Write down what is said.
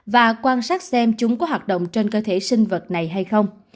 và quan sát xem chúng có hoạt động trên cơ thể sinh vật này hay không